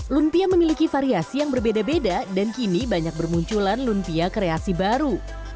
lumpia memiliki variasi yang berbeda beda dan kini banyak bermunculan lumpia kreasi baru